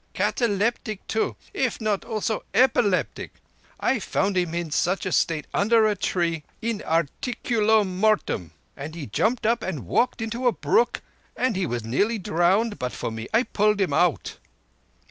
Cataleptic, too, if not also epileptic. I found him in such a state under a tree in articulo mortem, and he jumped up and walked into a brook and he was nearly drowned but for me. I pulled him out."